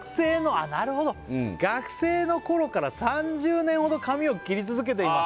あっなるほど「学生の頃から３０年ほど髪を切り続けています」